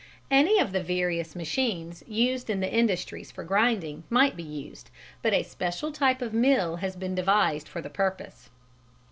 Any of the various machines used in the industries for grinding might be used, but a special type of mill has been devised for the purpose.